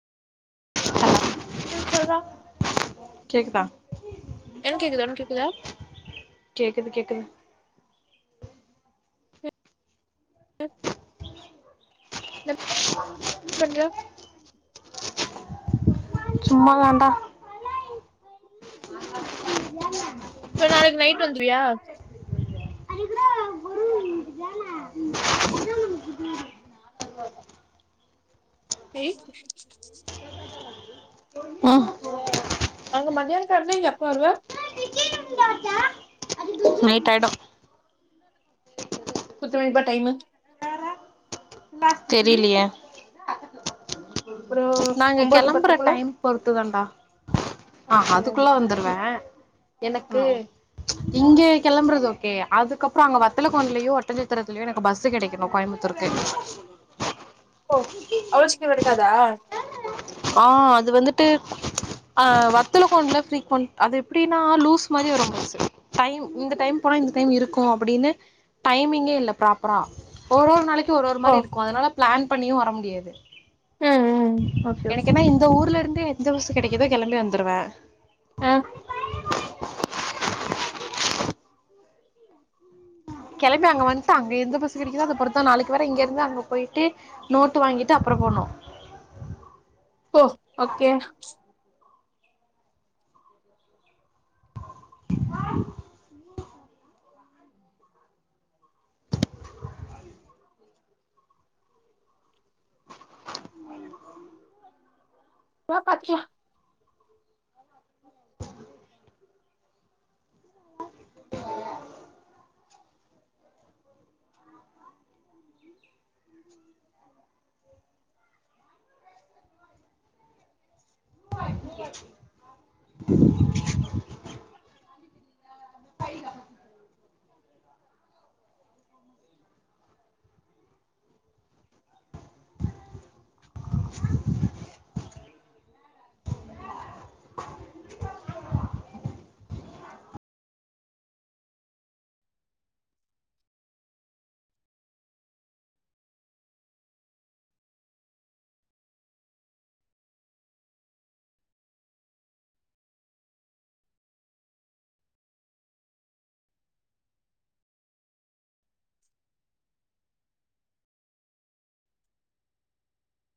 ஆ ம் சொல்றா கேக்குதா என் கேக்குது ஒன் கேக்குதா கேக்குது கேக்குது னப் பண்ற சும்மா தாண்டா [inaudible] இப்ப நாளைக் நைட் வந்துருவியா [unintelligible] [inaudible] ஈ ஆ அங்க மத்யான கெளம்னா இங்க எப்ப வருவே நைட் ஆய்டு குத்து மனிப்பா டைமு தெரிலியே ஒரு நாங்க ஒன்பது கெளம்புற பத்துக்குள்ள டைம் பொறுத்து தாண்டா ஆ அப்படியா அதுக்குள்ள வந்துருவே ஆ ஆ. எனக்கு இங்கே கெளம்புறது ஓக்கே அதுக்கப்றோ அங்க வத்தலகுண்ட்லியோ ஒட்டஞ்சத்திரத்லியோ எனக்கு பஸ்சு கெடைக்கணு கோயம்புத் துர்கு ஓ அவ்ளோ சீக்ரோ இருக்காதா ஆ அது வந்துட்டு ஆ வத்தல கொண்ட்ல பிரீகோன்ட் அது எப்டின்னா லூஸ் மாரி வரு பஸ்சு டைம் இந்த டைம் போனா இந்த டைம் இருக்கு அப்டின்னு டைமிங்கே இல்ல ப்ராப்பரா ஒரு ஒரு நாளைக்குக்கு ஒரு ஒரு ஓ மாரி இருக்கு அதனால பிளான் பண்ணியு வர முடியாது ம் ம் ஓகே எனக்கு ஓகே என்னா இந்த ஊர்ல இருந்து எந்த பஸ் கெடைக்குதோ கிளம்பி வந்துடுவே ஆ கிளம்பி அங்க வன்ட்டுங்க அங்க எந்த பஸ் கெடைக்குதோ அதபொறுத்தா நாளைக்கு வரே இங்க இருந்து அங்க போய்ட்டு நோட்டு வாங்கிட்டு அப்றோ போனோ போ ஓகே ஆஹ் பட்சியா